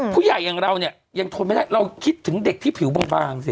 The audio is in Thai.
ผู้ใหญ่อย่างเรายังทนไม่ได้เราคิดถึงเด็กที่ผิวบ้างสิ